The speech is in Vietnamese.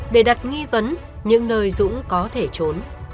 để đặt nghi vấn những nơi dũng có thể trốn